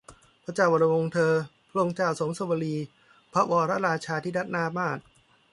พระเจ้าวรวงศ์เธอ พระองค์เจ้าโสมสวลี พระวรราชาทินัดดามาตุ